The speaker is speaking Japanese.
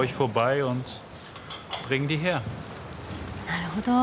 なるほど。